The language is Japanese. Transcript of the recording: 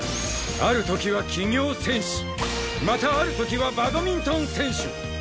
ある時は企業戦士またある時はバドミントン選手！